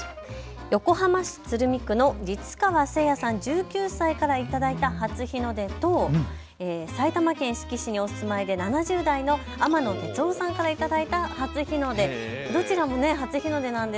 横浜市の實川聖也さん１９歳からいただいた初日の出と埼玉県志木市にお住まいで７０代の天野哲夫さんからいただいた初日の出。